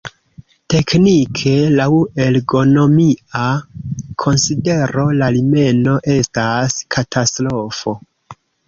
Teknike, laŭ ergonomia konsidero la rimeno estas katastrofo.